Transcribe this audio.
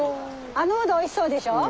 あのウドおいしそうでしょ？